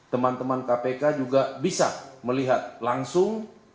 teman teman kpk juga bisa melihat langsung